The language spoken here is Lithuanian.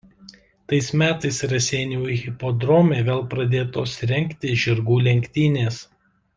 Tais metais Raseinių hipodrome vėl pradėtos rengti žirgų lenktynės.